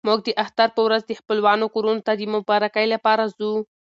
موږ د اختر په ورځ د خپلوانو کورونو ته د مبارکۍ لپاره ځو.